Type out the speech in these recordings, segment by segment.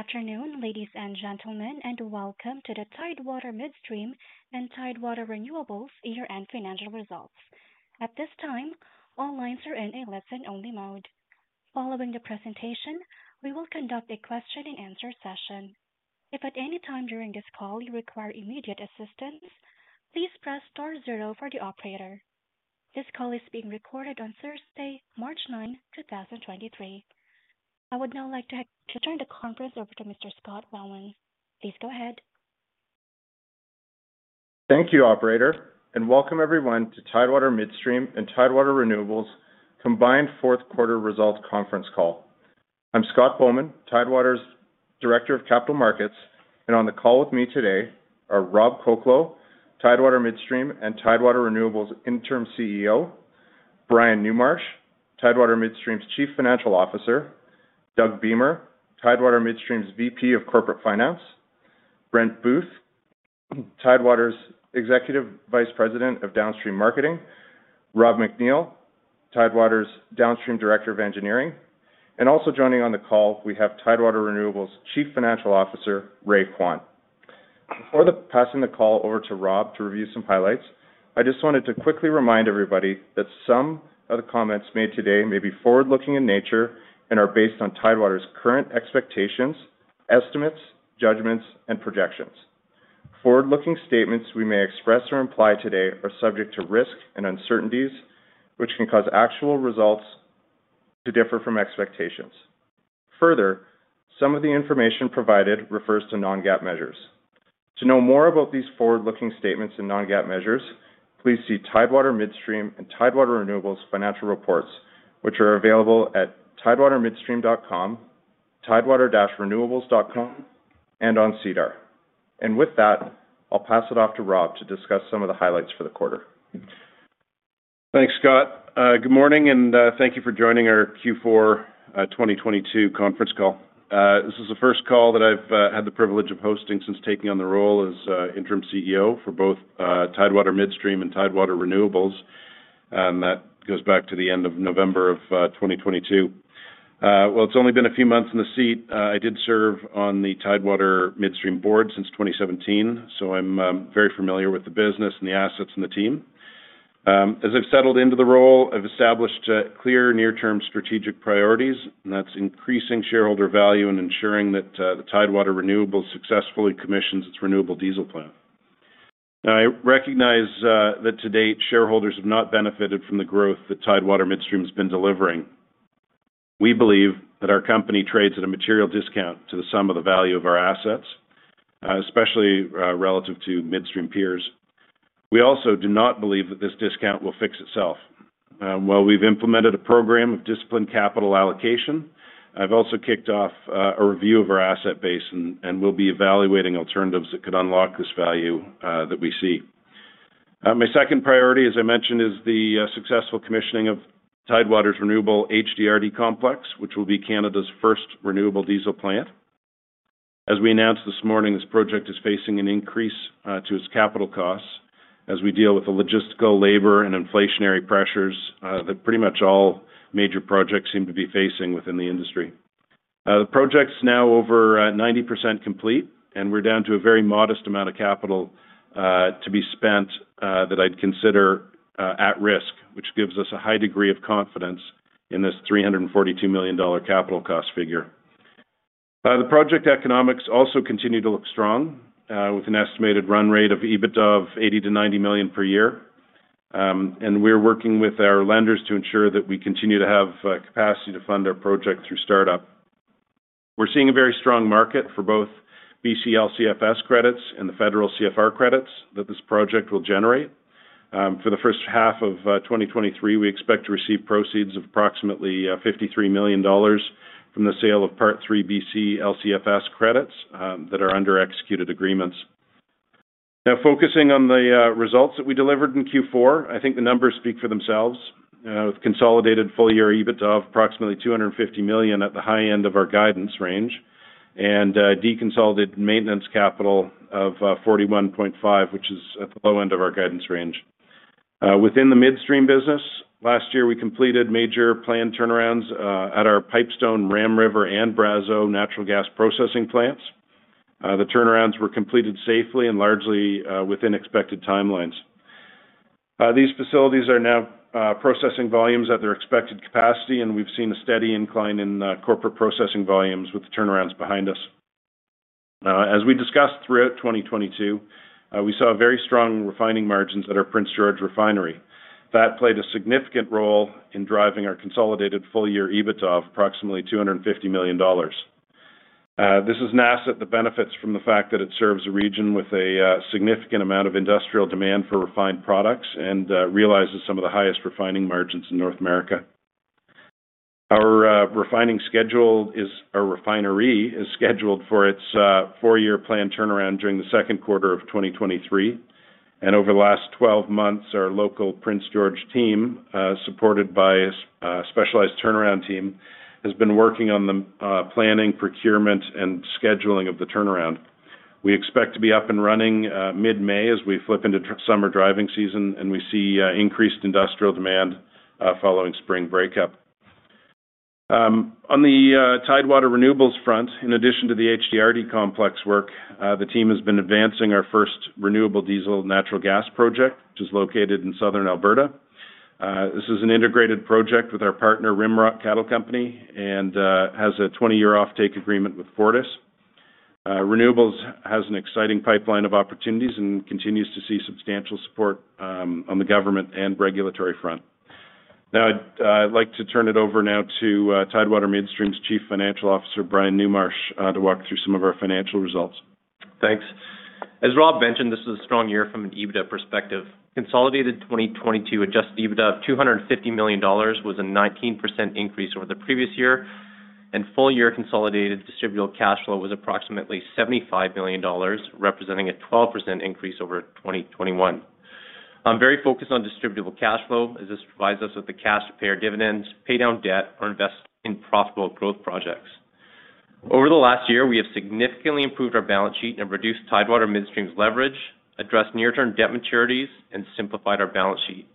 Afternoon, ladies and gentlemen, and welcome to the Tidewater Midstream and Tidewater Renewables Year-end Financial Results. At this time, all lines are in a listen-only mode. Following the presentation, we will conduct a question-and-answer session. If at any time during this call you require immediate assistance, please press star zero for the operator. This call is being recorded on Thursday, March ninth, 2023. I would now like to turn the conference over to Mr. Scott Bauman. Please go ahead. Thank you, operator, and welcome everyone to Tidewater Midstream and Tidewater Renewables combined fourth quarter results conference call. I'm Scott Bauman, Tidewater's Director of Capital Markets, and on the call with me today are Robert Colcleugh, Tidewater Midstream and Tidewater Renewables Interim CEO, Brian Newmarch, Tidewater Midstream's Chief Financial Officer, Doug Beamer, Tidewater Midstream's VP of Corporate Finance, Brent Booth, Tidewater's Executive Vice President of Downstream Marketing, Rob McNeil, Tidewater's Downstream Director of Engineering. Also joining on the call, we have Tidewater Renewables Chief Financial Officer, Ray Kwan. Before passing the call over to Rob to review some highlights, I just wanted to quickly remind everybody that some of the comments made today may be forward-looking in nature and are based on Tidewater's current expectations, estimates, judgments, and projections. Forward-looking statements we may express or imply today are subject to risks and uncertainties, which can cause actual results to differ from expectations. Further, some of the information provided refers to non-GAAP measures. To know more about these forward-looking statements and non-GAAP measures, please see Tidewater Midstream and Tidewater Renewables financial reports, which are available at tidewatermidstream.com, tidewater-renewables.com, and on SEDAR. With that, I'll pass it off to Rob to discuss some of the highlights for the quarter. Thanks, Scott. Good morning, and thank you for joining our Q4 2022 conference call. This is the first call that I've had the privilege of hosting since taking on the role as Interim CEO for both Tidewater Midstream and Tidewater Renewables. That goes back to the end of November of 2022. Well, it's only been a few months in the seat. I did serve on the Tidewater Midstream board since 2017, so I'm very familiar with the business and the assets and the team. As I've settled into the role, I've established clear near-term strategic priorities, and that's increasing shareholder value and ensuring that the Tidewater Renewables successfully commissions its renewable diesel plant. Now, I recognize that to date, shareholders have not benefited from the growth that Tidewater Midstream has been delivering. We believe that our company trades at a material discount to the sum of the value of our assets, especially relative to midstream peers. We also do not believe that this discount will fix itself. While we've implemented a program of disciplined capital allocation, I've also kicked off a review of our asset base and we'll be evaluating alternatives that could unlock this value that we see. My second priority, as I mentioned, is the successful commissioning of Tidewater's Renewable HDRD complex, which will be Canada's first renewable diesel plant. As we announced this morning, this project is facing an increase, to its capital costs as we deal with the logistical, labor, and inflationary pressures, that pretty much all major projects seem to be facing within the industry. The project's now over, 90% complete, and we're down to a very modest amount of capital, to be spent, that I'd consider, at risk, which gives us a high degree of confidence in this 342 million dollar capital cost figure. The project economics also continue to look strong, with an estimated run rate of EBITDA of 80 million-90 million per year. We're working with our lenders to ensure that we continue to have, capacity to fund our project through startup. We're seeing a very strong market for both BC LCFS credits and the federal CFR credits that this project will generate. For the first half of 2023, we expect to receive proceeds of approximately 53 million dollars from the sale of Part 3 BC LCFS credits that are under executed agreements. Now, focusing on the results that we delivered in Q4, I think the numbers speak for themselves. With consolidated full-year EBITDA of approximately 250 million at the high end of our guidance range, and deconsolidated maintenance capital of 41.5, which is at the low end of our guidance range. Within the midstream business, last year, we completed major planned turnarounds at our Pipestone, Ram River, and Brazeau natural gas processing plants. The turnarounds were completed safely and largely within expected timelines. These facilities are now processing volumes at their expected capacity. We've seen a steady incline in corporate processing volumes with the turnarounds behind us. As we discussed throughout 2022, we saw very strong refining margins at our Prince George Refinery. That played a significant role in driving our consolidated full-year EBITDA of approximately 250 million dollars. This is an asset that benefits from the fact that it serves a region with a significant amount of industrial demand for refined products and realizes some of the highest refining margins in North America. Our refinery is scheduled for its four-year plan turnaround during the second quarter of 2023. Over the last 12 months, our local Prince George team, supported by a specialized turnaround team, has been working on the planning, procurement, and scheduling of the turnaround. We expect to be up and running mid-May as we flip into summer driving season and we see increased industrial demand following spring breakup. On the Tidewater Renewables front, in addition to the HDRD complex work, the team has been advancing our first renewable diesel natural gas project, which is located in Southern Alberta. This is an integrated project with our partner, Rimrock Cattle Company Ltd., and has a 20-year offtake agreement with FortisBC. Renewables has an exciting pipeline of opportunities and continues to see substantial support on the government and regulatory front. I'd like to turn it over now to Tidewater Midstream's Chief Financial Officer, Brian Newmarch, to walk through some of our financial results. Thanks. As Rob mentioned, this is a strong year from an EBITDA perspective. Consolidated 2022 adjusted EBITDA of CAD 250 million was a 19% increase over the previous year. Full year consolidated distributable cash flow was approximately 75 million dollars, representing a 12% increase over 2021. I'm very focused on distributable cash flow as this provides us with the cash to pay our dividends, pay down debt, or invest in profitable growth projects. Over the last year, we have significantly improved our balance sheet and reduced Tidewater Midstream's leverage, addressed near-term debt maturities, and simplified our balance sheet.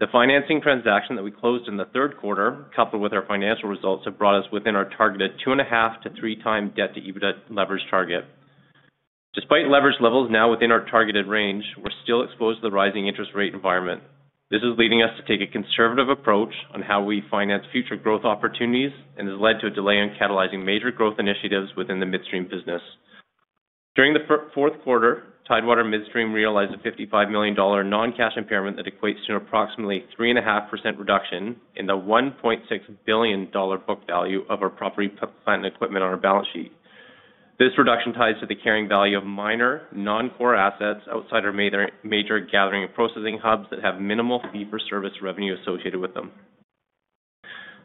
The financing transaction that we closed in the third quarter, coupled with our financial results, have brought us within our targeted 2.5-3x debt-to-EBITDA leverage target. Despite leverage levels now within our targeted range, we're still exposed to the rising interest rate environment. This is leading us to take a conservative approach on how we finance future growth opportunities and has led to a delay in catalyzing major growth initiatives within the midstream business. During the fourth quarter, Tidewater Midstream realized a 55 million dollar non-cash impairment that equates to an approximately three and a half % reduction in the 1.6 billion dollar book value of our property plant and equipment on our balance sheet. This reduction ties to the carrying value of minor non-core assets outside our major gathering and processing hubs that have minimal fee-for-service revenue associated with them.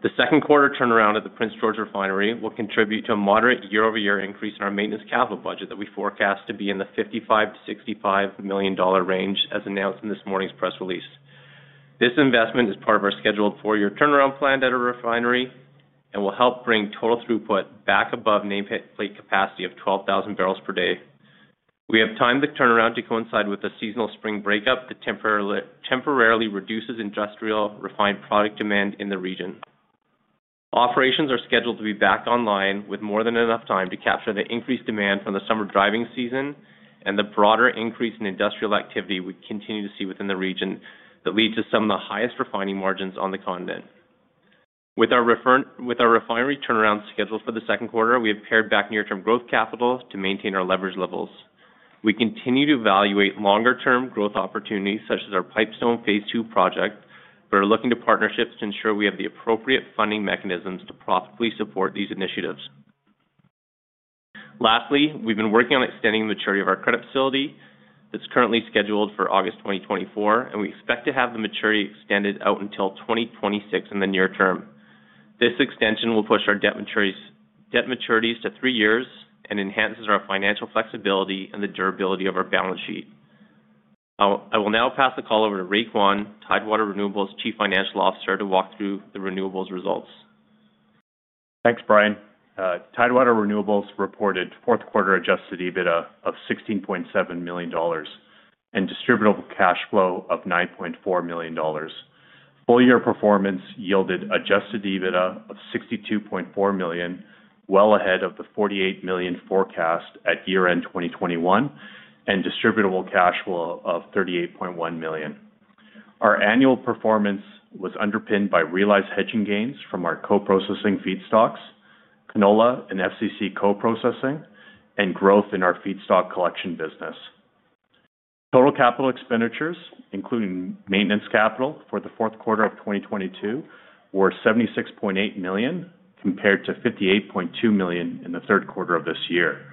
The second quarter turnaround at the Prince George Refinery will contribute to a moderate year-over-year increase in our maintenance capital budget that we forecast to be in the 55 million-65 million dollar range as announced in this morning's press release. This investment is part of our scheduled four-year turnaround plan at our refinery and will help bring total throughput back above nameplate capacity of 12,000 barrels per day. We have timed the turnaround to coincide with the seasonal spring breakup that temporarily reduces industrial refined product demand in the region. Operations are scheduled to be back online with more than enough time to capture the increased demand from the summer driving season and the broader increase in industrial activity we continue to see within the region that lead to some of the highest refining margins on the continent. With our refinery turnaround scheduled for the second quarter, we have pared back near-term growth capital to maintain our leverage levels. We continue to evaluate longer term growth opportunities such as our Pipestone Phase II project. We're looking to partnerships to ensure we have the appropriate funding mechanisms to profitably support these initiatives. Lastly, we've been working on extending the maturity of our credit facility that's currently scheduled for August 2024. We expect to have the maturity extended out until 2026 in the near term. This extension will push our debt maturities to three years and enhances our financial flexibility and the durability of our balance sheet. I will now pass the call over to Ray Kwan, Tidewater Renewables Chief Financial Officer, to walk through the renewables results. Thanks, Brian. Tidewater Renewables reported fourth quarter adjusted EBITDA of 16.7 million dollars and distributable cash flow of 9.4 million dollars. Full year performance yielded adjusted EBITDA of 62.4 million, well ahead of the 48 million forecast at year-end 2021, and distributable cash flow of 38.1 million. Our annual performance was underpinned by realized hedging gains from our co-processing feedstocks, canola and FCC co-processing and growth in our feedstock collection business. Total capital expenditures, including maintenance capital for the fourth quarter of 2022, were 76.8 million, compared to 58.2 million in the third quarter of this year.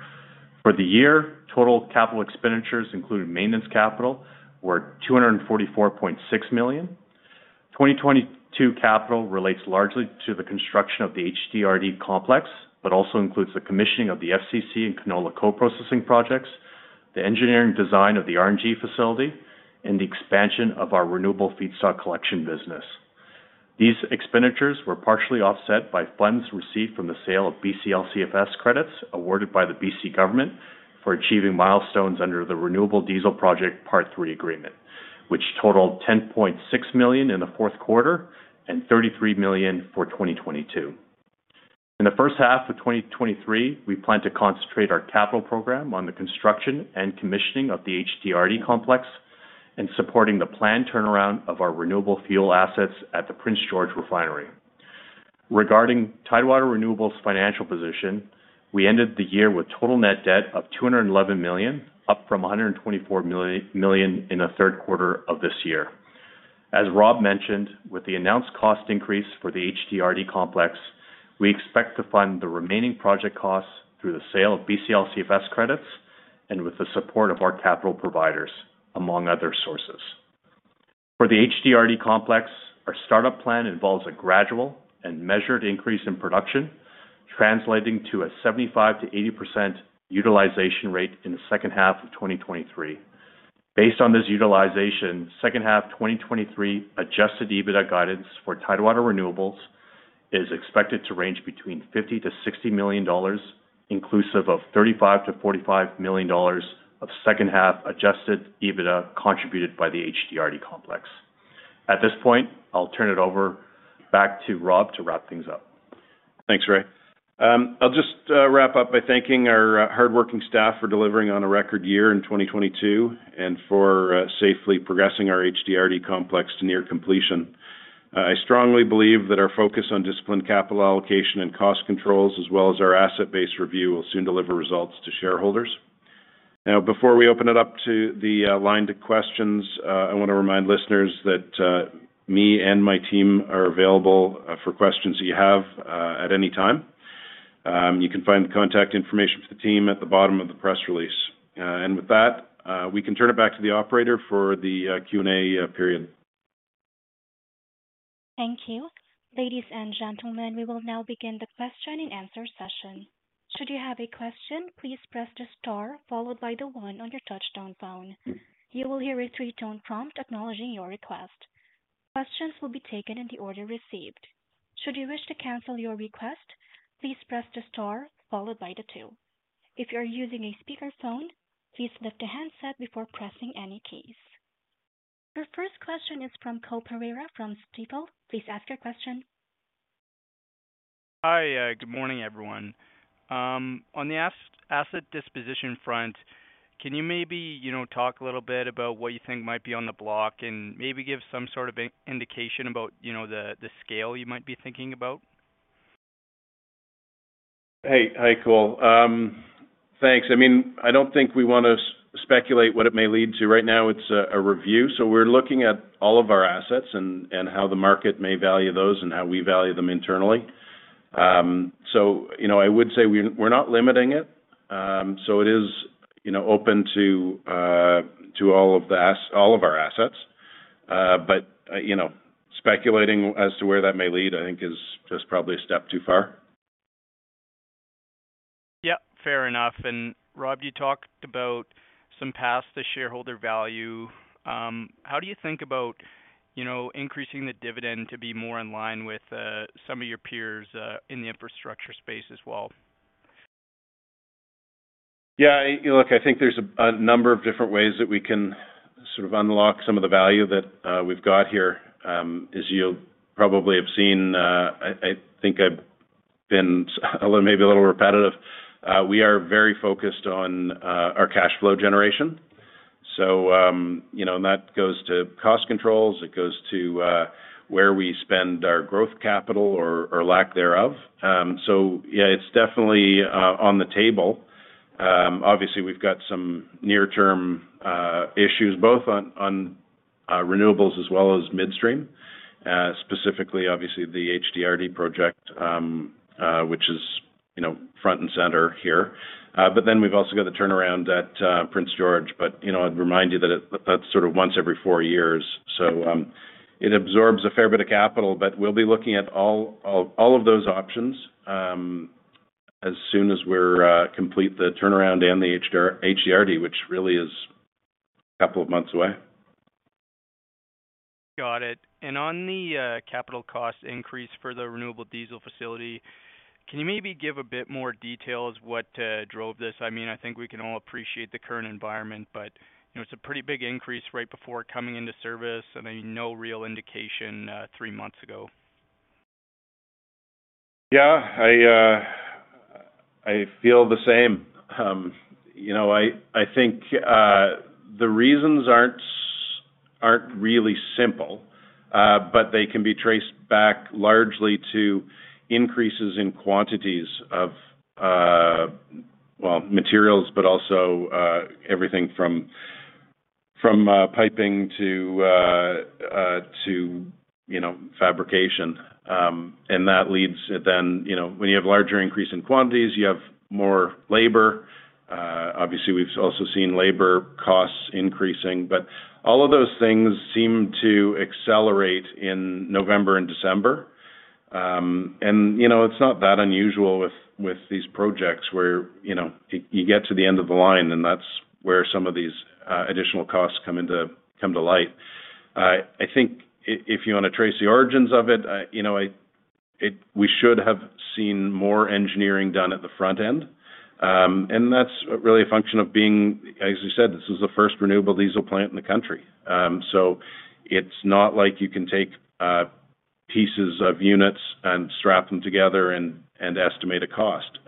For the year, total capital expenditures, including maintenance capital, were 244.6 million. 2022 capital relates largely to the construction of the HDRD complex, but also includes the commissioning of the FCC and canola co-processing projects, the engineering design of the RNG facility, and the expansion of our renewable feedstock collection business. These expenditures were partially offset by funds received from the sale of BCLCFS credits awarded by the BC government for achieving milestones under the Renewable Diesel Project Part 3 agreement, which totaled $10.6 million in the fourth quarter and $33 million for 2022. In the first half of 2023, we plan to concentrate our capital program on the construction and commissioning of the HDRD complex and supporting the planned turnaround of our renewable fuel assets at the Prince George Refinery. Regarding Tidewater Renewables' financial position, we ended the year with total net debt of $211 million, up from $124 million in the third quarter of this year. As Rob mentioned, with the announced cost increase for the HDRD complex, we expect to fund the remaining project costs through the sale of BCLCFS credits and with the support of our capital providers, among other sources. For the HDRD complex, our startup plan involves a gradual and measured increase in production, translating to a 75%-80% utilization rate in the second half of 2023. Based on this utilization, second half 2023 adjusted EBITDA guidance for Tidewater Renewables is expected to range between $50 million-$60 million, inclusive of $35 million-$45 million of second half adjusted EBITDA contributed by the HDRD complex. At this point, I'll turn it over back to Rob to wrap things up. Thanks, Ray. I'll just wrap up by thanking our hardworking staff for delivering on a record year in 2022 and for safely progressing our HDRD complex to near completion. I strongly believe that our focus on disciplined capital allocation and cost controls, as well as our asset-based review, will soon deliver results to shareholders. Before we open it up to the line to questions, I want to remind listeners that me and my team are available for questions you have at any time. You can find the contact information for the team at the bottom of the press release. With that, we can turn it back to the operator for the Q&A period. Thank you. Ladies and gentlemen, we will now begin the question and answer session. Should you have a question, please press the star followed by the one on your touchdown phone. You will hear a three-tone prompt acknowledging your request. Questions will be taken in the order received. Should you wish to cancel your request, please press the star followed by the 2. If you are using a speakerphone, please lift the handset before pressing any keys. Your first question is from Cole Pereira from Stifel. Please ask your question. Hi. Good morning, everyone. On the asset disposition front, can you maybe, you know, talk a little bit about what you think might be on the block and maybe give some sort of indication about, you know, the scale you might be thinking about? Hey, hi, Cole. Thanks. I mean, I don't think we want to speculate what it may lead to. Right now it's a review, so we're looking at all of our assets and how the market may value those and how we value them internally. You know, I would say we're not limiting it. It is, you know, open to all of our assets. You know, speculating as to where that may lead, I think is just probably a step too far. Yeah, fair enough. Rob, you talked about some paths to shareholder value. How do you think about, you know, increasing the dividend to be more in line with some of your peers in the infrastructure space as well? Look, I think there's a number of different ways that we can sort of unlock some of the value that we've got here. As you probably have seen, I think I've been a little, maybe a little repetitive. We are very focused on our cash flow generation. You know, and that goes to cost controls. It goes to where we spend our growth capital or lack thereof. It's definitely on the table. Obviously we've got some near-term issues both on renewables as well as midstream, specifically obviously the HDRD project, which is, you know, front and center here. We've also got the turnaround at Prince George. You know, I'd remind you that that's sort of once every four years. It absorbs a fair bit of capital, but we'll be looking at all of those options, as soon as we're complete the turnaround and the HDRD, which really is a couple of months away. Got it. On the capital cost increase for the renewable diesel facility, can you maybe give a bit more details what drove this? I mean, I think we can all appreciate the current environment, but, you know, it's a pretty big increase right before coming into service and no real indication three months ago. Yeah. I feel the same. You know, I think the reasons aren't really simple, but they can be traced back largely to increases in quantities of well, materials, but also everything from piping to, you know, fabrication. That leads then, you know, when you have larger increase in quantities, you have more labor. Obviously, we've also seen labor costs increasing, but all of those things seem to accelerate in November and December. You know, it's not that unusual with these projects where, you know, you get to the end of the line, and that's where some of these additional costs come to light. I think if you want to trace the origins of it, you know, we should have seen more engineering done at the front end. That's really a function of being, as you said, this is the first renewable diesel plant in the country. It's not like you can take pieces of units and strap them together and estimate a cost.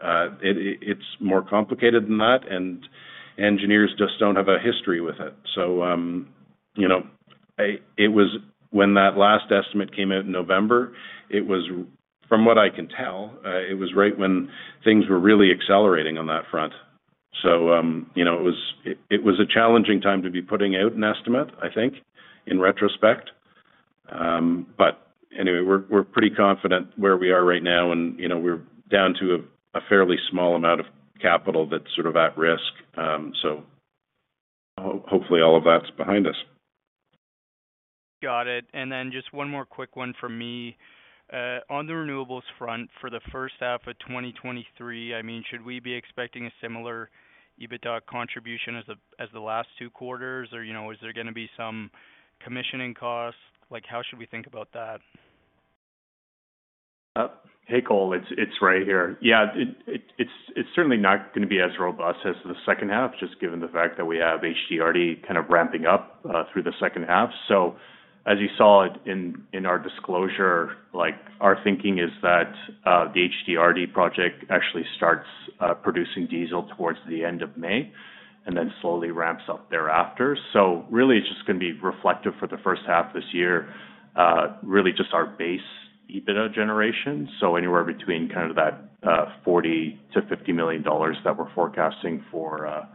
It's more complicated than that, and engineers just don't have a history with it. You know, when that last estimate came out in November, it was, from what I can tell, it was right when things were really accelerating on that front. You know, it was a challenging time to be putting out an estimate, I think, in retrospect. Anyway, we're pretty confident where we are right now and, you know, we're down to a fairly small amount of capital that's sort of at risk. Hopefully all of that's behind us. Got it. Then just one more quick one from me. On the renewables front for the first half of 2023, I mean, should we be expecting a similar EBITDA contribution as the last 2 quarters? You know, is there going to be some commissioning costs? Like, how should we think about that? Hey, Cole. It's Ray here. Yeah. It's certainly not gonna be as robust as the second half, just given the fact that we have HDRD kind of ramping up through the second half. As you saw it in our disclosure, like, our thinking is that the HDRD project actually starts producing diesel towards the end of May, and then slowly ramps up thereafter. Really, it's just gonna be reflective for the first half this year, really just our base EBITDA generation. Anywhere between kind of that 40 million-50 million dollars that we're forecasting for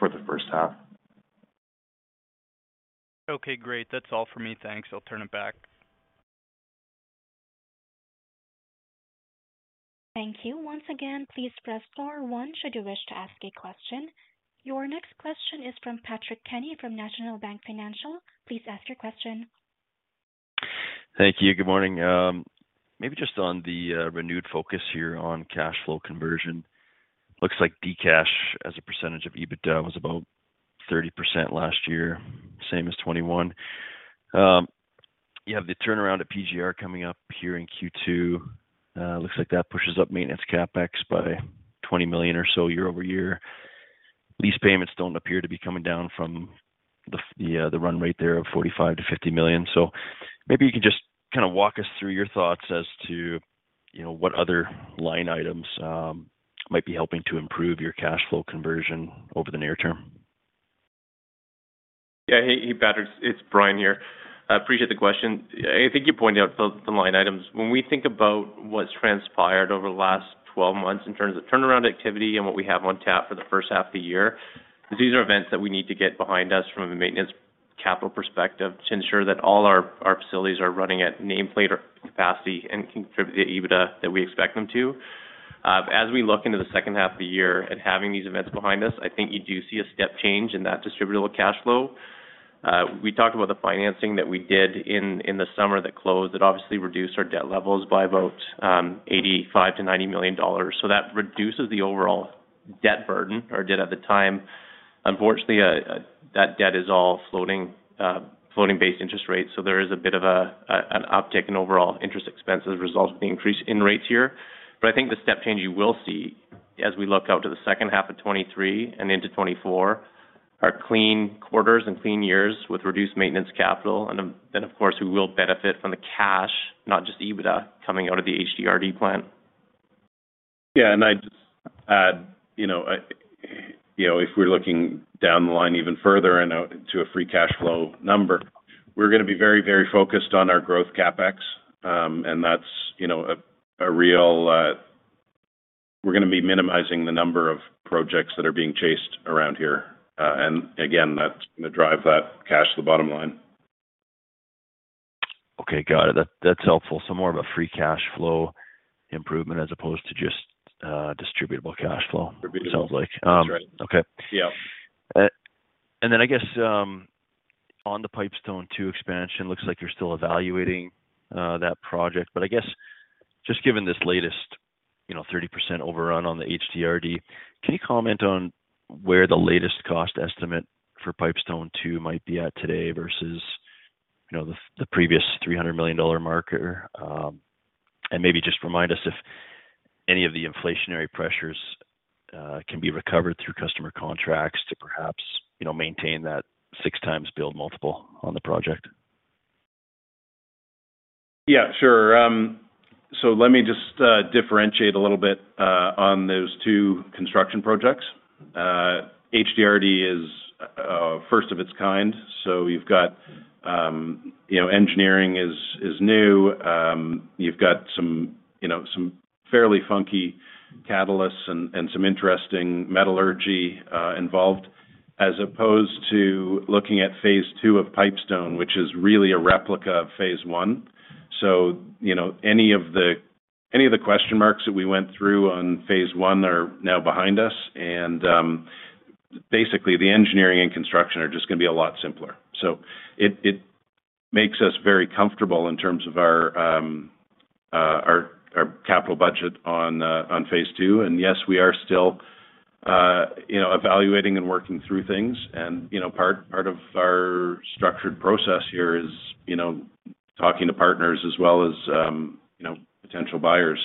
the first half. Okay, great. That's all for me. Thanks. I'll turn it back. Thank you. Once again, please press star one should you wish to ask a question. Your next question is from Patrick Kenny from National Bank Financial. Please ask your question. Thank you. Good morning. Maybe just on the renewed focus here on cash flow conversion. Looks like DCF as a % of EBITDA was about 30% last year, same as 2021. You have the turnaround at PGR coming up here in Q2. Looks like that pushes up maintenance CapEx by 20 million or so year-over-year. Lease payments don't appear to be coming down from the yeah, the run rate there of 45 million-50 million. Maybe you can just kinda walk us through your thoughts as to, you know, what other line items might be helping to improve your cash flow conversion over the near term. Yeah. Hey, Patrick. It's Brian here. I appreciate the question. I think you pointed out some line items. When we think about what's transpired over the last 12 months in terms of turnaround activity and what we have on tap for the first half of the year, these are events that we need to get behind us from a maintenance capital perspective to ensure that all our facilities are running at nameplate or capacity and contribute the EBITDA that we expect them to. As we look into the second half of the year and having these events behind us, I think you do see a step change in that distributable cash flow. We talked about the financing that we did in the summer that closed. It obviously reduced our debt levels by about 85 million-90 million dollars. That reduces the overall debt burden, or did at the time. Unfortunately, that debt is all floating base interest rates, so there is a bit of an uptick in overall interest expenses resulting from the increase in rates here. I think the step change you will see as we look out to the second half of 2023 and into 2024 are clean quarters and clean years with reduced maintenance capital. Of course, we will benefit from the cash, not just EBITDA, coming out of the HDRD plant. Yeah. I'd just add, you know, you know, if we're looking down the line even further and out into a free cash flow number, we're gonna be very, very focused on our growth CapEx. We're gonna be minimizing the number of projects that are being chased around here. Again, that's gonna drive that cash to the bottom line. Okay. Got it. That's helpful. More of a free cash flow improvement as opposed to just distributable cash flow? Distributable... it sounds like. That's right. Okay. Yeah. I guess, on the Pipestone Two expansion, looks like you're still evaluating that project. I guess just given this latest, you know, 30% overrun on the HDRD, can you comment on where the latest cost estimate for Pipestone Two might be at today versus, you know, the previous 300 million dollar marker? Maybe just remind us if any of the inflationary pressures can be recovered through customer contracts to perhaps, you know, maintain that 6x build multiple on the project. Yeah, sure. Let me just differentiate a little bit on those two construction projects. HDRD is first of its kind, so you've got, you know, engineering is new. You've got some, you know, some fairly funky catalysts and some interesting metallurgy involved, as opposed to looking at phase two of Pipestone, which is really a replica of phase one. You know, any of the question marks that we went through on phase one are now behind us. Basically, the engineering and construction are just gonna be a lot simpler. It makes us very comfortable in terms of our capital budget on phase two. Yes, we are still, you know, evaluating and working through things and, you know, part of our structured process here is, you know, talking to partners as well as, you know, potential buyers.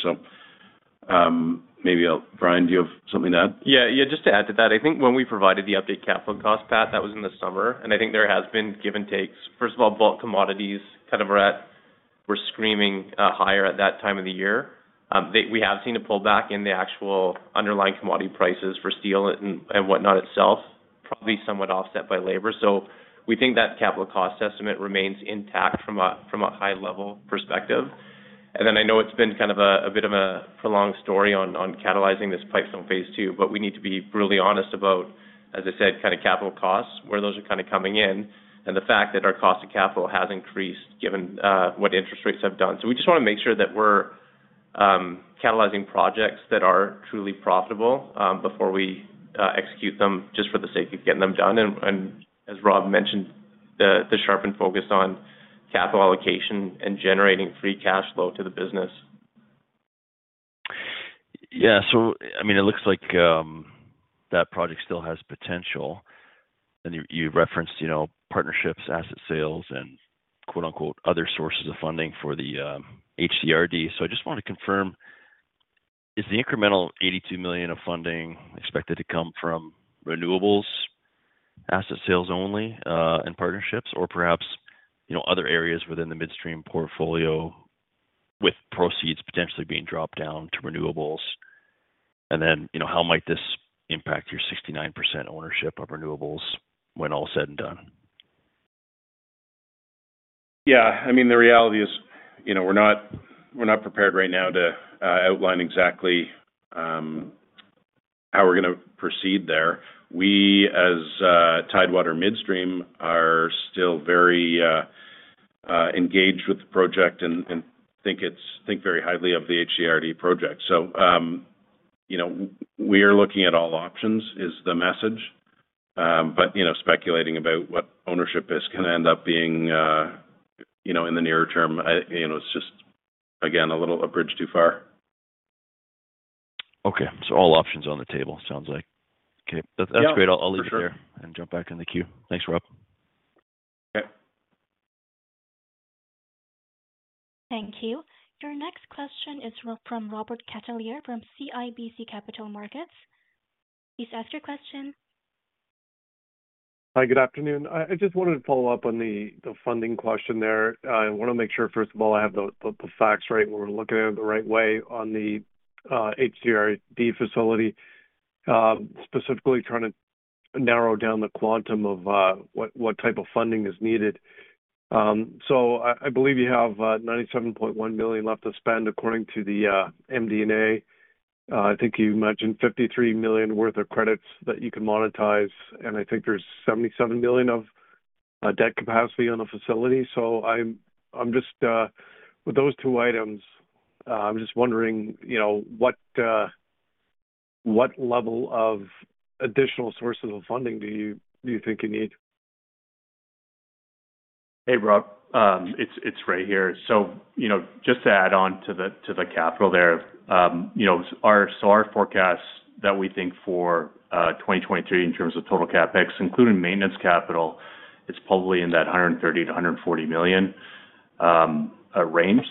Maybe I'll... Brian, do you have something to add? Yeah, yeah. Just to add to that, I think when we provided the update capital cost, Pat, that was in the summer, and I think there has been give and takes. First of all, bulk commodities kind of were screaming higher at that time of the year. We have seen a pullback in the actual underlying commodity prices for steel and whatnot itself, probably somewhat offset by labor. We think that capital cost estimate remains intact from a high level perspective. Then I know it's been kind of a bit of a prolonged story on catalyzing this Pipestone Phase II, but we need to be really honest about, as I said, kind of capital costs, where those are kind of coming in, and the fact that our cost of capital has increased given what interest rates have done. We just wanna make sure that we're catalyzing projects that are truly profitable, before we execute them just for the sake of getting them done. As Rob mentioned, the sharpened focus on capital allocation and generating free cash flow to the business. Yeah. I mean, it looks like that project still has potential. You, you referenced, you know, partnerships, asset sales and quote-unquote, "other sources of funding" for the HDRD. I just want to confirm, is the incremental $82 million of funding expected to come from Renewables asset sales only, and partnerships or perhaps, you know, other areas within the midstream portfolio with proceeds potentially being dropped down to Renewables? Then, you know, how might this impact your 69% ownership of Renewables when all is said and done? Yeah, I mean, the reality is, you know, we're not, we're not prepared right now to outline exactly how we're gonna proceed there. We as Tidewater Midstream are still very engaged with the project and think very highly of the HDRD project. You know, we are looking at all options is the message. You know, speculating about what ownership is gonna end up being, you know, in the nearer term, I, you know, it's just again a little a bridge too far. Okay. All options on the table, sounds like. Okay. Yeah. That's great. I'll leave it there and jump back in the queue. Thanks, Rob. Okay. Thank you. Your next question is from Robert Catellier from CIBC Capital Markets. Please ask your question. Hi, good afternoon. I just wanted to follow up on the funding question there. I wanna make sure first of all I have the facts right and we're looking at it the right way on the HDRD facility. Specifically trying to narrow down the quantum of what type of funding is needed. So I believe you have 97.1 million left to spend according to the MD&A. I think you mentioned 53 million worth of credits that you can monetize, and I think there's 77 million of debt capacity on the facility. I'm just with those two items, I'm just wondering, you know, what level of additional sources of funding do you think you need? Hey, Rob. It's Ray here. You know, just to add on to the capital there. You know, our forecasts that we think for 2023 in terms of total CapEx, including maintenance capital, it's probably in that 130 million-140 million range.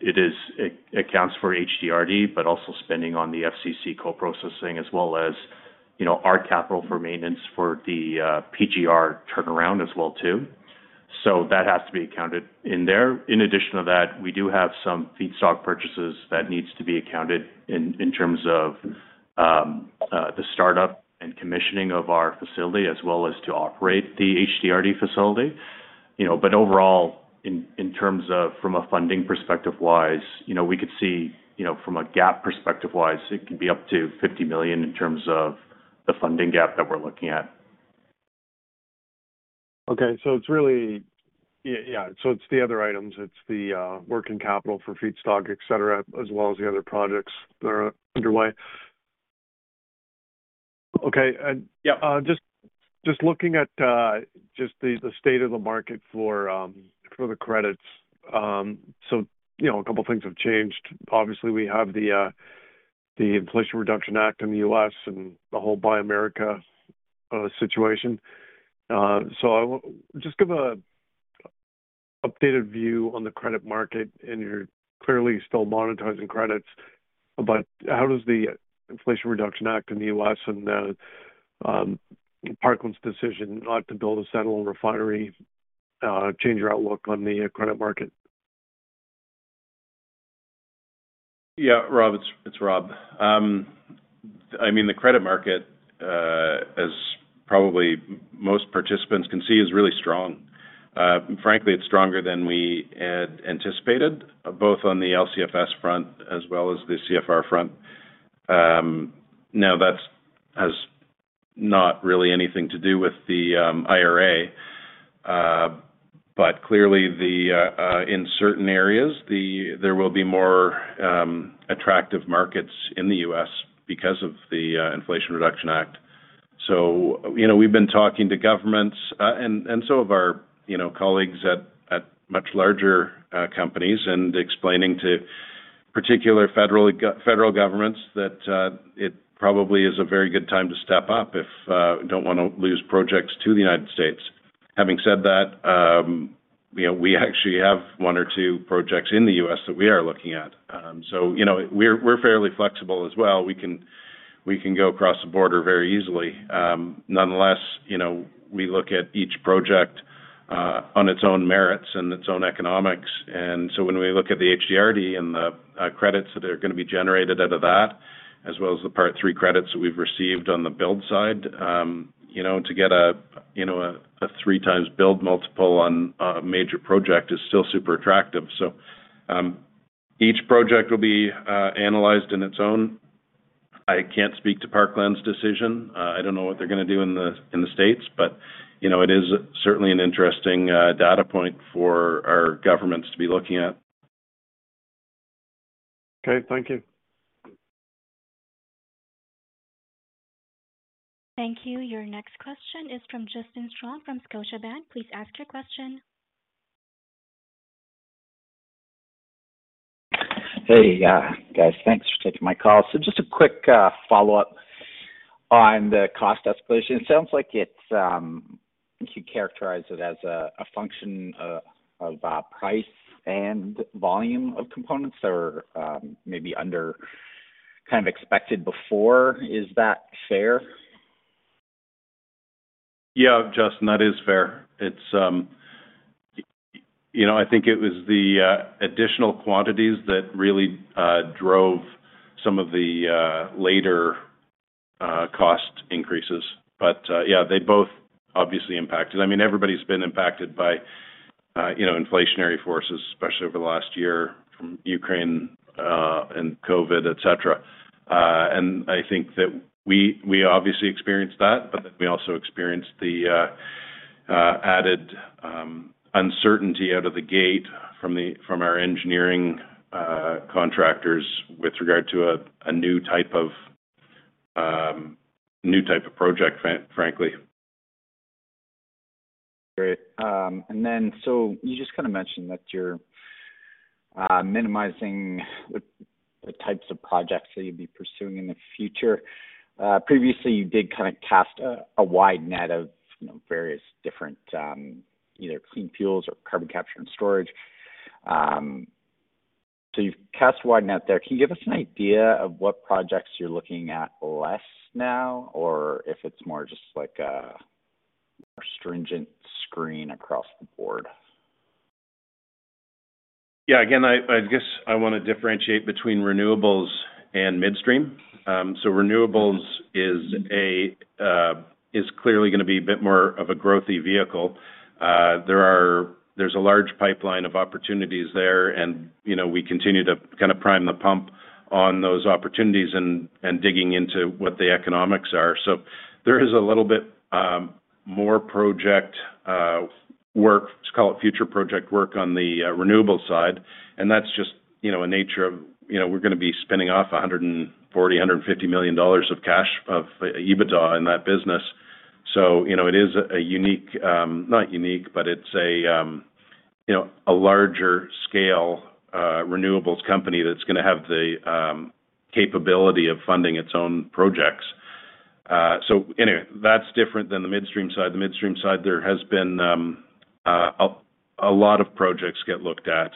It accounts for HDRD but also spending on the FCC co-processing as well as, you know, our capital for maintenance for the PGR turnaround as well too. That has to be accounted in there. In addition to that, we do have some feedstock purchases that needs to be accounted in terms of the startup and commissioning of our facility as well as to operate the HDRD facility. You know, overall in terms of from a funding perspective-wise, you know, we could see, you know, from a gap perspective-wise it could be up to 50 million in terms of the funding gap that we're looking at. Okay. It's really... Yeah. Yeah. It's the other items, it's the working capital for feedstock, et cetera, as well as the other projects that are underway. Okay. Yeah. Looking at the state of the market for the credits. You know, a couple of things have changed. Obviously, we have the Inflation Reduction Act in the US and the whole Buy America situation. Just give a updated view on the credit market, and you're clearly still monetizing credits, but how does the Inflation Reduction Act in the US and the Parkland's decision not to build a settle refinery change your outlook on the credit market? Rob, it's Rob. I mean, the credit market as probably most participants can see, is really strong. Frankly, it's stronger than we had anticipated, both on the LCFS front as well as the CFR front. Now that has not really anything to do with the IRA. Clearly the, in certain areas, there will be more attractive markets in the US because of the Inflation Reduction Act. You know, we've been talking to governments and some of our, you know, colleagues at much larger companies and explaining to particular federal governments that it probably is a very good time to step up if we don't wanna lose projects to the United States. Having said that, you know, we actually have 1 or 2 projects in the U.S. that we are looking at. You know, we're fairly flexible as well. We can go across the border very easily. Nonetheless, you know, we look at each project on its own merits and its own economics. When we look at the HDRD and the credits that are gonna be generated out of that, as well as the Part 3 credits that we've received on the build side, you know, to get, you know, a 3x build multiple on a major project is still super attractive. Each project will be analyzed in its own I can't speak to Parkland's decision. I don't know what they're gonna do in the, in the States, you know, it is certainly an interesting data point for our governments to be looking at. Okay, thank you. Thank you. Your next question is from Justin Strong from Scotiabank. Please ask your question. Hey, guys. Thanks for taking my call. Just a quick follow-up on the cost escalation. It sounds like it's, you characterize it as a function of price and volume of components or maybe under kind of expected before. Is that fair? Yeah, Justin, that is fair. It's, you know, I think it was the additional quantities that really drove some of the later cost increases. Yeah, they both obviously impacted. I mean, everybody's been impacted by, you know, inflationary forces, especially over the last year from Ukraine, and COVID, et cetera. I think that we obviously experienced that, but then we also experienced the added uncertainty out of the gate from our engineering contractors with regard to a new type of new type of project, frankly. Great. You just kinda mentioned that you're minimizing the types of projects that you'll be pursuing in the future. Previously, you did kinda cast a wide net of, you know, various different either clean fuels or carbon capture and storage. You've cast a wide net there. Can you give us an idea of what projects you're looking at less now or if it's more just like a more stringent screen across the board? Yeah. Again, I guess I wanna differentiate between renewables and midstream. Renewables is clearly gonna be a bit more of a growthy vehicle. There's a large pipeline of opportunities there and, you know, we continue to kinda prime the pump on those opportunities and digging into what the economics are. There is a little bit more project work, let's call it future project work on the renewables side, and that's just, you know, a nature of, you know, we're gonna be spinning off 140 million-150 million dollars of cash of EBITDA in that business. It is a unique, not unique, but it's a, you know, a larger scale renewables company that's gonna have the capability of funding its own projects. Anyway, that's different than the midstream side. The midstream side, there has been a lot of projects get looked at.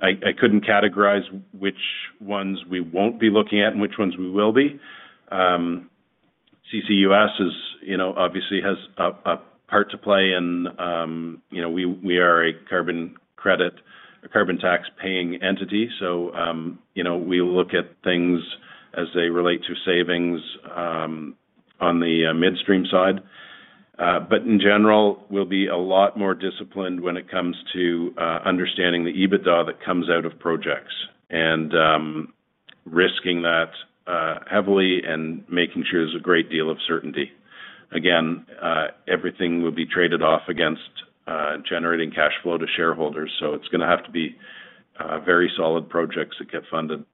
I couldn't categorize which ones we won't be looking at and which ones we will be. CCUS is, you know, obviously has a part to play and, you know, we are a carbon credit, a carbon tax-paying entity. You know, we look at things as they relate to savings on the midstream side. In general, we'll be a lot more disciplined when it comes to understanding the EBITDA that comes out of projects and risking that heavily and making sure there's a great deal of certainty. Everything will be traded off against, generating cash flow to shareholders, so it's gonna have to be very solid projects that get funded.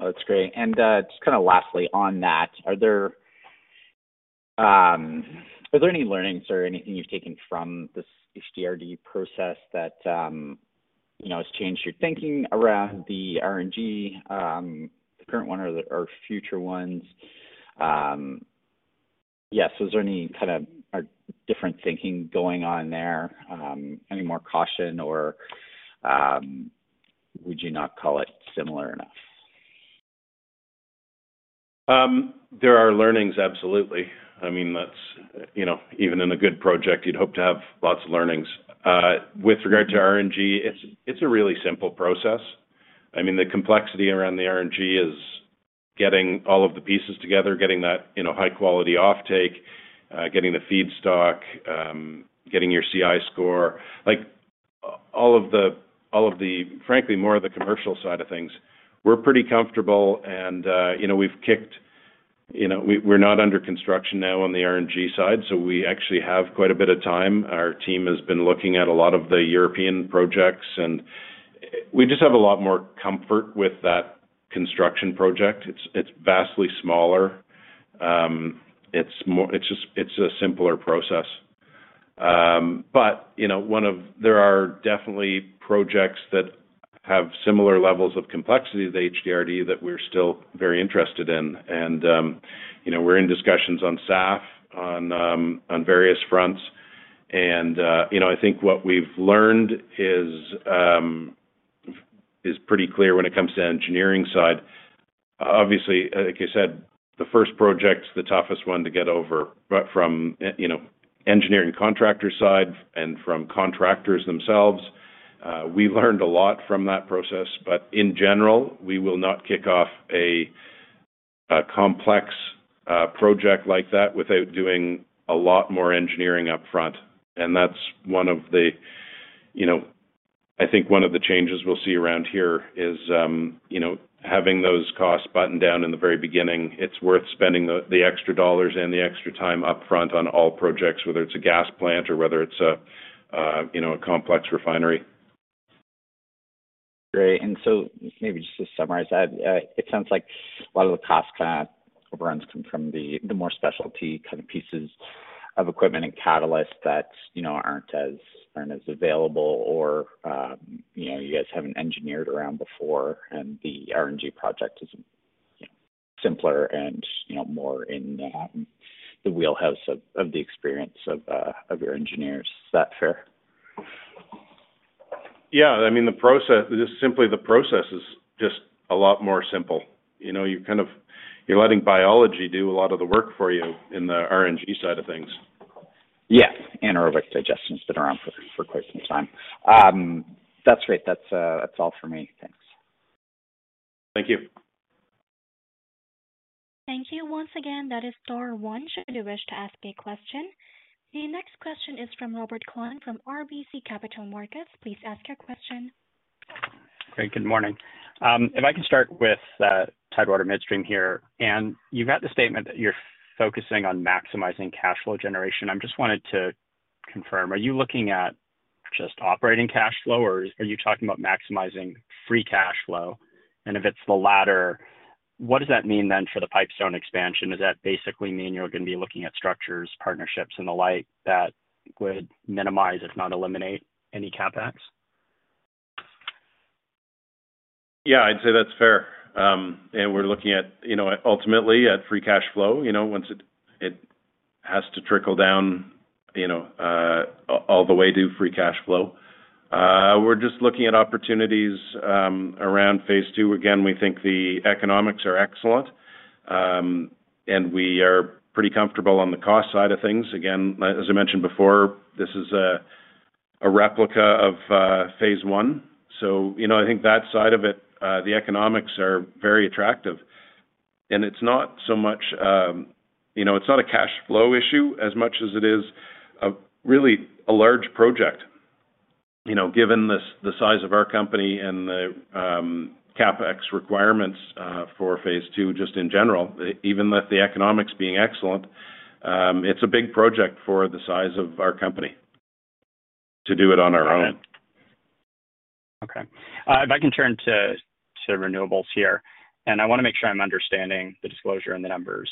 That's great. just kinda lastly on that, are there any learnings or anything you've taken from this HDRD process that, you know, has changed your thinking around the RNG, the current one or the, or future ones? Is there any kind of different thinking going on there, any more caution or, would you not call it similar enough? There are learnings, absolutely. I mean, that's, you know, even in a good project, you'd hope to have lots of learnings. With regard to RNG, it's a really simple process. I mean, the complexity around the RNG is getting all of the pieces together, getting that, you know, high quality offtake, getting the feedstock, getting your CI score. Like, all of the frankly, more of the commercial side of things, we're pretty comfortable and, you know, we've kicked, you know, we're not under construction now on the RNG side, so we actually have quite a bit of time. Our team has been looking at a lot of the European projects, and we just have a lot more comfort with that construction project. It's, it's vastly smaller. It's just, it's a simpler process. You know, there are definitely projects that have similar levels of complexity to the HDRD that we're still very interested in. You know, we're in discussions on SAF, on various fronts. You know, I think what we've learned is pretty clear when it comes to engineering side. Obviously, like I said, the first project's the toughest one to get over, but from, you know, engineering contractor side and from contractors themselves, we learned a lot from that process. In general, we will not kick off. A complex project like that without doing a lot more engineering upfront. That's one of the, you know, I think one of the changes we'll see around here is, you know, having those costs buttoned down in the very beginning. It's worth spending the extra dollars and the extra time upfront on all projects, whether it's a gas plant or whether it's a, you know, a complex refinery. Great. Maybe just to summarize that, it sounds like a lot of the cost kinda overruns come from the more specialty kind of pieces of equipment and catalyst that, you know, aren't as, aren't as available or, you know, you guys haven't engineered around before. The RNG project is, you know, simpler and, you know, more in the wheelhouse of the experience of your engineers. Is that fair? Yeah. I mean, simply the process is just a lot more simple. You know, you're letting biology do a lot of the work for you in the RNG side of things. Yeah. Anaerobic digestion's been around for quite some time. That's great. That's all for me. Thanks. Thank you. Thank you. Once again, that is star one should you wish to ask a question. The next question is from Robert Kwan from RBC Capital Markets. Please ask your question. Great, good morning. If I can start with Tidewater Midstream here. You've got the statement that you're focusing on maximizing cash flow generation. I just wanted to confirm, are you looking at just operating cash flow or are you talking about maximizing free cash flow? If it's the latter, what does that mean then for the Pipestone expansion? Does that basically mean you're gonna be looking at structures, partnerships and the like that would minimize, if not eliminate any CapEx? Yeah, I'd say that's fair. We're looking at, you know, ultimately at free cash flow, you know, once it has to trickle down, you know, all the way to free cash flow. We're just looking at opportunities around phase two. Again, we think the economics are excellent, and we are pretty comfortable on the cost side of things. Again, as I mentioned before, this is a replica of phase one. You know, I think that side of it, the economics are very attractive. It's not so much, you know, it's not a cash flow issue as much as it is really a large project. You know, given the size of our company and the CapEx requirements for phase II, just in general, even with the economics being excellent, it's a big project for the size of our company to do it on our own. Okay. If I can turn to renewables here, I wanna make sure I'm understanding the disclosure and the numbers.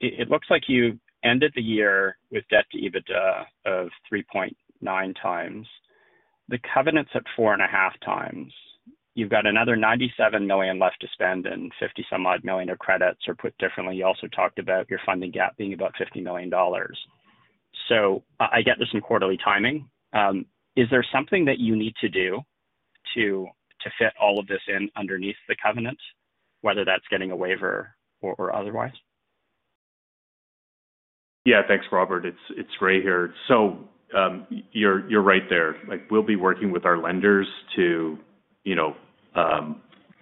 It looks like you ended the year with debt to EBITDA of 3.9x. The covenant's at 4.x. You've got another 97 million left to spend and 50 some odd million of credits. Put differently, you also talked about your funding gap being about 50 million dollars. I get there's some quarterly timing. Is there something that you need to do to fit all of this in underneath the covenant, whether that's getting a waiver or otherwise? Yeah. Thanks, Robert. It's Ray here. You're right there. Like, we'll be working with our lenders to, you know,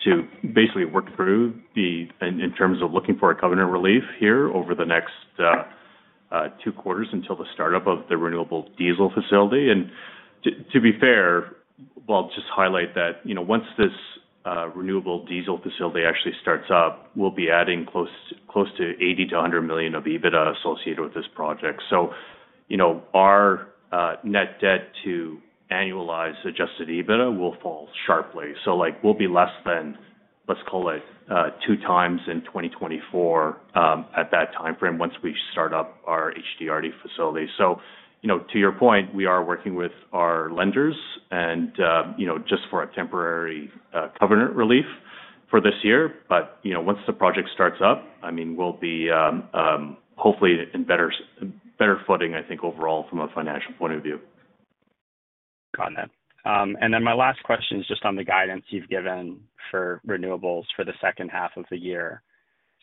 to basically work through in terms of looking for a covenant relief here over the next two quarters until the start-up of the renewable diesel facility. To be fair, well, I'll just highlight that, you know, once this renewable diesel facility actually starts up, we'll be adding close to 80 million-100 million of EBITDA associated with this project. You know, our net debt to annualized adjusted EBITDA will fall sharply. Like, we'll be less than, let's call it, 2x in 2024 at that timeframe once we start up our HDRD facility. you know, to your point, we are working with our lenders and, you know, just for a temporary covenant relief for this year. you know, once the project starts up, I mean, we'll be hopefully in better footing, I think, overall from a financial point of view. Got that. My last question is just on the guidance you've given for renewables for the second half of the year.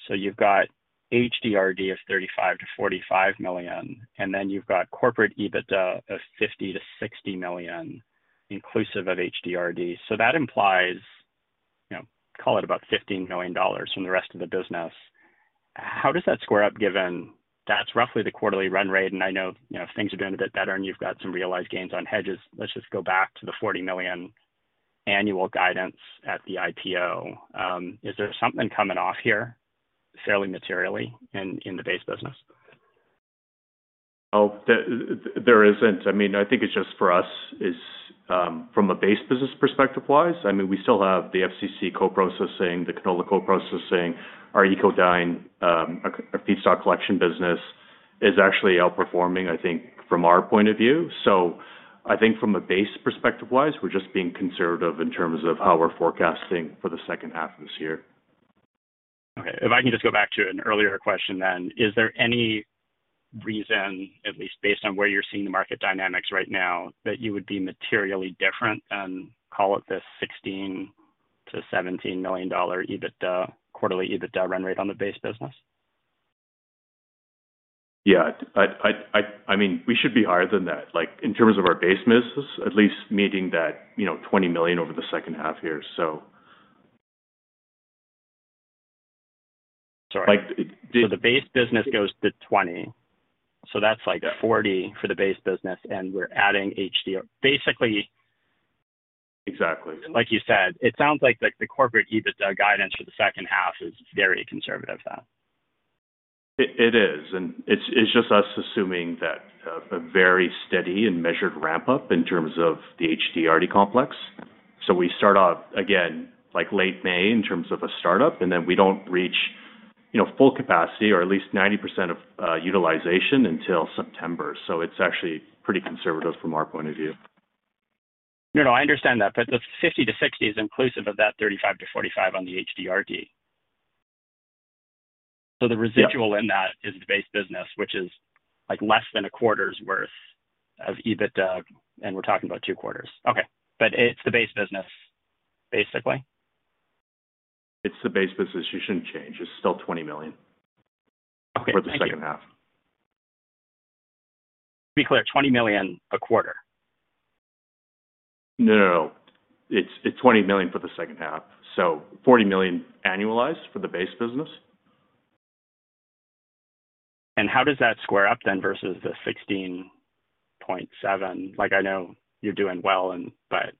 You've got HDRD of $35 million-$45 million, and then you've got corporate EBITDA of $50 million-$60 million, inclusive of HDRD. That implies, you know, call it about $15 million from the rest of the business. How does that square up given that's roughly the quarterly run rate? I know, you know, if things are doing a bit better and you've got some realized gains on hedges, let's just go back to the $40 million annual guidance at the IPO. Is there something coming off here fairly materially in the base business? No, there isn't. I mean, I think it's just for us is, from a base business perspective-wise, I mean, we still have the FCC co-processing, the canola co-processing. Our Ecodyne, our feedstock collection business is actually outperforming, I think, from our point of view. I think from a base perspective-wise, we're just being conservative in terms of how we're forecasting for the second half of this year. Okay. If I can just go back to an earlier question then. Is there any reason, at least based on where you're seeing the market dynamics right now, that you would be materially different than, call it, this 16 million-17 million dollar EBITDA, quarterly EBITDA run rate on the base business? Yeah. I mean, we should be higher than that. Like, in terms of our base business, at least meeting that, you know, 20 million over the second half here, so. Sorry. The base business goes to 20. That's like 40 for the base business, and we're adding HDR. Exactly. Like you said, it sounds like the corporate EBITDA guidance for the second half is very conservative then. It is. It's just us assuming that a very steady and measured ramp-up in terms of the HDRD complex. We start off again, like, late May in terms of a startup, and then we don't reach, you know, full capacity or at least 90% of utilization until September. It's actually pretty conservative from our point of view. No, no, I understand that. The 50-60 is inclusive of that 35-45 on the HDRD. The residual in that is the base business, which is, like, less than a quarter's worth of EBITDA, and we're talking about 2 quarters. Okay. It's the base business, basically. It's the base business. It shouldn't change. It's still 20 million. Okay. Thank you. For the second half. To be clear, 20 million a quarter? No, no. It's 20 million for the second half, 40 million annualized for the base business. How does that square up then versus the 16.7? Like, I know you're doing well and but...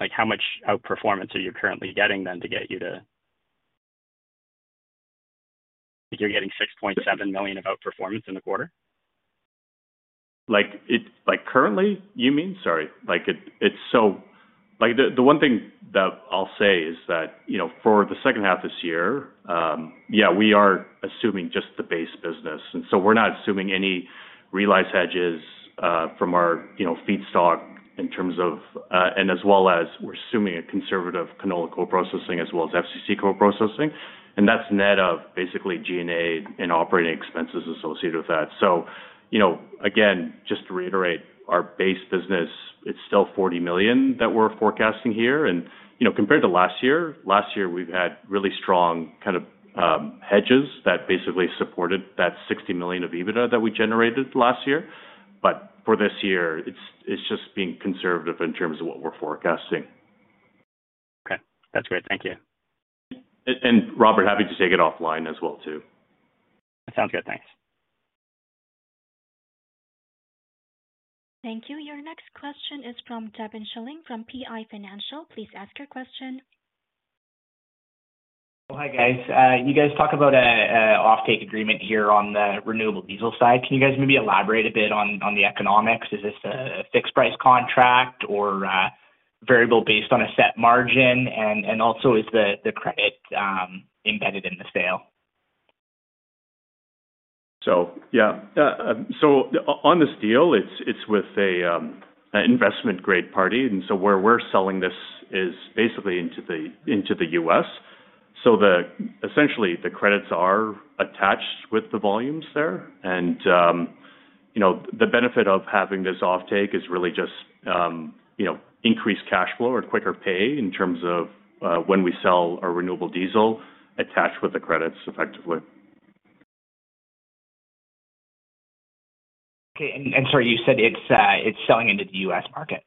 Like, how much outperformance are you currently getting then to get you to... You're getting 6.7 million of outperformance in the quarter? Like, currently, you mean? Sorry. Like, it's so... Like, the one thing that I'll say is that, you know, for the second half this year, yeah, we are assuming just the base business. We're not assuming any realized hedges from our, you know, feedstock in terms of, and as well as we're assuming a conservative canola co-processing as well as FCC co-processing. That's net of basically G&A and operating expenses associated with that. you know, again, just to reiterate, our base business, it's still 40 million that we're forecasting here. you know, compared to last year, last year we've had really strong kind of hedges that basically supported that 60 million of EBITDA that we generated last year. For this year, it's just being conservative in terms of what we're forecasting. Okay. That's great. Thank you. Robert, happy to take it offline as well too. Sounds good. Thanks. Thank you. Your next question is from Devin Schilling from PI Financial. Please ask your question. Hi, guys. You guys talk about a offtake agreement here on the renewable diesel side. Can you guys maybe elaborate a bit on the economics? Is this a fixed price contract or variable based on a set margin? Also is the credit embedded in the sale? Yeah. On this deal, it's with an investment-grade party. Where we're selling this is basically into the US. Essentially the credits are attached with the volumes there. You know, the benefit of having this offtake is really just, you know, increased cash flow or quicker pay in terms of when we sell our renewable diesel attached with the credits effectively. Okay. Sorry, you said it's selling into the U.S. market?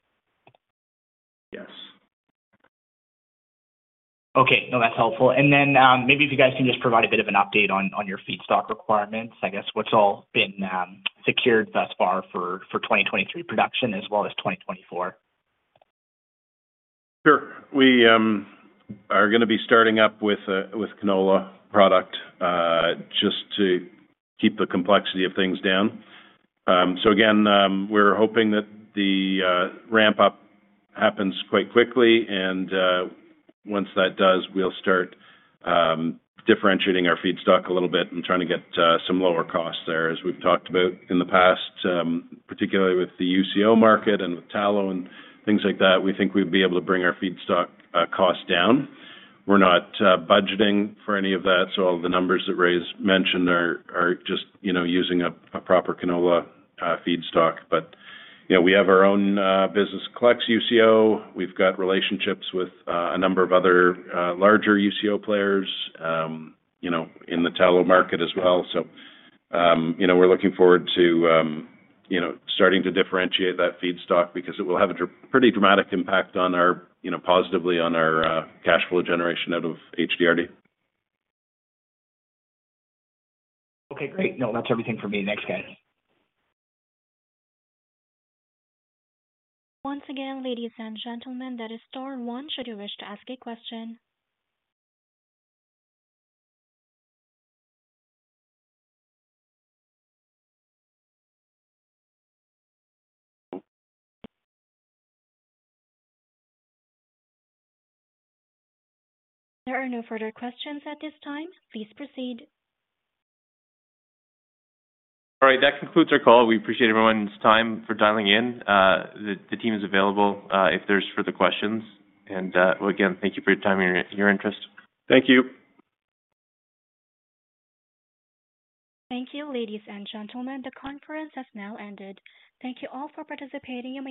Yes. Okay. No, that's helpful. Maybe if you guys can just provide a bit of an update on your feedstock requirements. I guess what's all been secured thus far for 2023 production as well as 2024. Sure. We are gonna be starting up with canola product just to keep the complexity of things down. Again, we're hoping that the ramp up happens quite quickly and once that does, we'll start differentiating our feedstock a little bit and trying to get some lower costs there. As we've talked about in the past, particularly with the UCO market and with tallow and things like that, we think we'd be able to bring our feedstock cost down. We're not budgeting for any of that, so all the numbers that Ray's mentioned are just, you know, using a proper canola feedstock. You know, we have our own business collects UCO. We've got relationships with, a number of other, larger UCO players, you know, in the tallow market as well. You know, we're looking forward to, you know, starting to differentiate that feedstock because it will have a pretty dramatic impact on our, you know, positively on our, cash flow generation out of HDRD. Okay, great. No, that's everything for me. Thanks, guys. Once again, ladies and gentlemen, that is star one should you wish to ask a question. There are no further questions at this time. Please proceed. All right. That concludes our call. We appreciate everyone's time for dialing in. The team is available, if there's further questions. Again, thank you for your time and your interest. Thank you. Thank you, ladies and gentlemen. The conference has now ended. Thank you all for participating.